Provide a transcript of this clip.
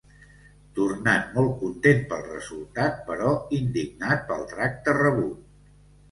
Tornant molt content pel resultat, però indignat pel tracte rebut.